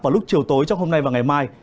vào lúc chiều tối trong hôm nay và ngày mai